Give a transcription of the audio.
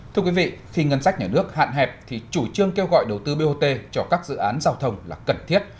thưa quý vị khi ngân sách nhà nước hạn hẹp thì chủ trương kêu gọi đầu tư bot cho các dự án giao thông là cần thiết